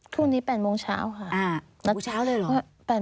พรุ่งนี้๘โมงเช้าค่ะฮรั่นพรุ่งเช้าเลยเหรอ